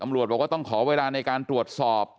บอกว่าต้องขอเวลาในการตรวจสอบ